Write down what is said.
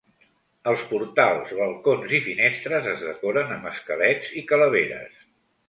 Els portals, balcons i finestres es decoren amb esquelets i calaveres.